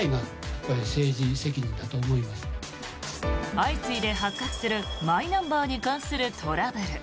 相次いで発覚するマイナンバーに関するトラブル。